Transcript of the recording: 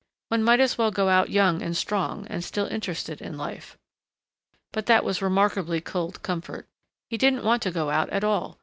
One might as well go out young and strong and still interested in life. But that was remarkably cold comfort. He didn't want to go out at all.